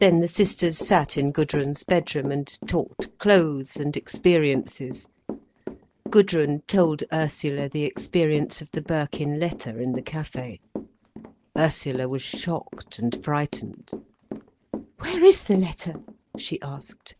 Then the sisters sat in Gudrun's bedroom, and talked clothes, and experiences. Gudrun told Ursula the experience of the Birkin letter in the café. Ursula was shocked and frightened. "Where is the letter?" she asked.